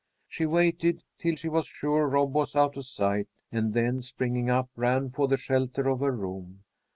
She waited till she was sure Rob was out of sight, and then, springing up, ran for the shelter of her room.